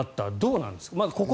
どうなんですか？